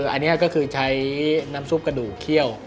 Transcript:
อันนี้ก็คือใช้น้ำซุปกระดูกเคี่ยว